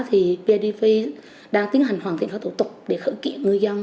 thì bidv đang tiến hành hoàn thiện các thủ tục để khởi kiện ngư dân